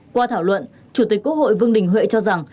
qua thảo luận chủ tịch quốc hội vương đình huệ cho rằng